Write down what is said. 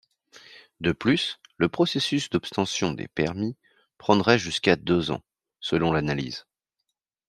De plus, le processus d'obtention des permis prendrait jusqu'à deux ans, selon l'analyse.